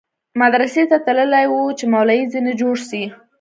مدرسې ته تللى و چې مولوى ځنې جوړ سي.